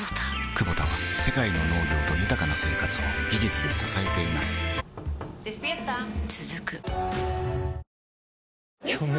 クボタは世界の農業と豊かな生活を技術で支えています起きて。